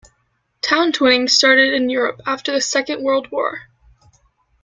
Town twinning started in Europe after the Second World War.